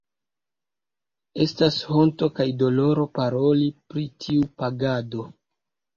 Estas honto kaj doloro paroli pri tiu pagado.